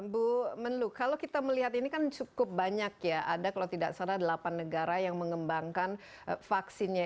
bu menlu kalau kita melihat ini kan cukup banyak ya ada kalau tidak salah delapan negara yang mengembangkan vaksinnya